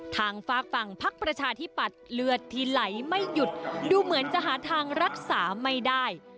ทางฝากฝั่งพักประชาธิปัตย์เลือดที่ไหลไม่หยุดดูเหมือนจะหาทางรักษาไม่ได้